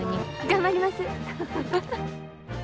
頑張ります。